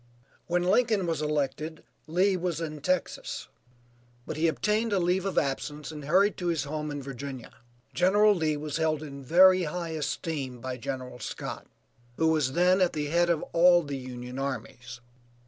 When Lincoln was elected Lee was in Texas, but he obtained a leave of absence and hurried to his home in Virginia. General Lee was held in very high esteem by General Scott, who was then at the head of all the Union armies.